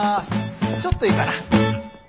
ちょっといいかな？